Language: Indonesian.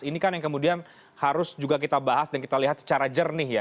ini kan yang kemudian harus juga kita bahas dan kita lihat secara jernih ya